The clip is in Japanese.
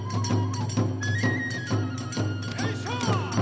よいしょ！